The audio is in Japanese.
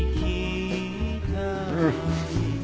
うん。